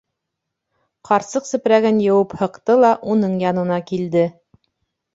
Ҡарсыҡ сепрәген йыуып һыҡты ла уның янына килде.